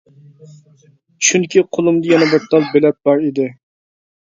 چۈنكى قولۇمدا يەنە بىر تال بېلەت بار ئىدى.